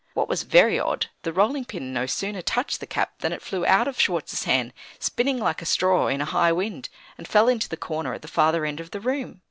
What was very odd, the rolling pin no sooner touched the cap than it flew out of Schwartz's hand, spinning like a straw in a high wind, and fell into the corner at the farther end of the room.